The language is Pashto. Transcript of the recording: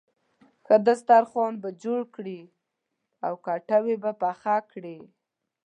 ښه دسترخوان به جوړ کړې او کټوۍ به پخه کړې.